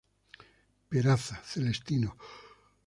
Peraza, Celestino.